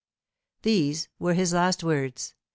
These were his last words.